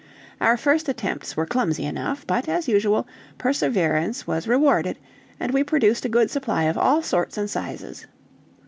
Our first attempts were clumsy enough; but, as usual, perseverance was rewarded, and we produced a good supply of all sorts and sizes.